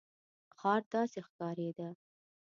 ښار داسې ښکارېده.